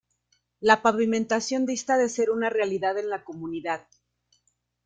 La pavimentación dista de ser una realidad en la comunidad.